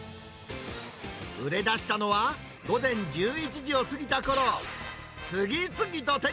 売れだしたのは、午前１１時を過ぎたころ。